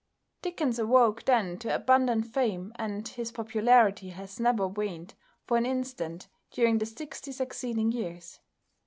Dickens awoke then to abundant fame, and his popularity has never waned for an instant during the sixty succeeding years.